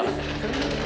nggak masalah bohong